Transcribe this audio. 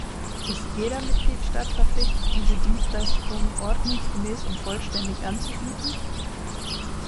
Ist jeder Mitgliedstaat verpflichtet, diese Dienstleistung ordnungsgemäß und vollständig anzubieten?